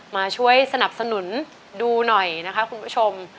มาช่วยสนับสนุนดูหน่อยนะคะคุณผู้ชม